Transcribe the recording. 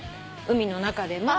海の中でも。